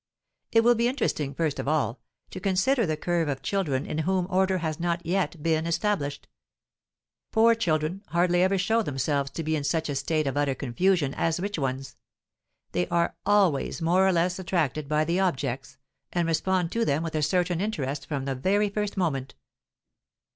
It will be interesting, first of all, to consider the curve of children in whom order has not yet been established. Poor children hardly ever show themselves to be in such a state of utter confusion as rich ones; they are always more or less attracted by the objects, and respond to them with a certain interest from the very first moment.